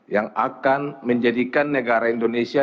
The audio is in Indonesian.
yang akan menjadikan negara indonesia